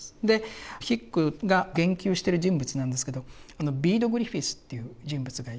でヒックが言及してる人物なんですけどビード・グリフィスという人物がいて。